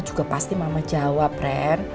juga pasti mama jawab ren